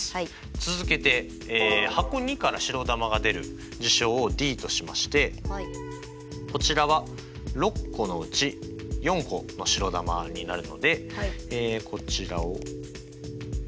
続けて箱②から白球が出る事象をＤとしましてこちらは６個のうち４個の白球になるのでこちらをはい３分の２になりますね。